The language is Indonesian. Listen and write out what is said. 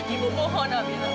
ibu mohon amira